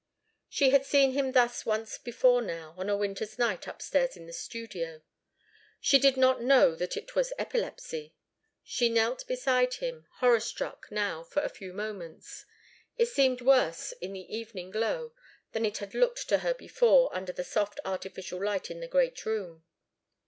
She had seen him thus once before now, on a winter's night, upstairs in the studio. She did not know that it was epilepsy. She knelt beside him, horror struck, now, for a few moments. It seemed worse in the evening glow than it had looked to her before, under the soft, artificial light in the great room.